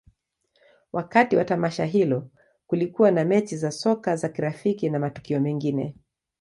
Wakati wa tamasha hilo, kulikuwa na mechi za soka za kirafiki na matukio mengine.